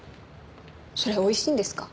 それおいしいんですか？